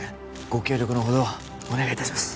ご協力のほどお願いいたします